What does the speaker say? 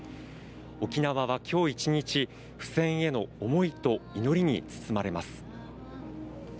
沖縄は今日１日不戦への思いと祈りに包まれます。